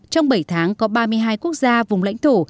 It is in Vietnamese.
trong bảy tháng có ba mươi hai quốc gia vùng lãnh thổ